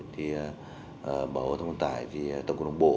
thì bộ giao thông vận tải thì tổng cụ đồng bộ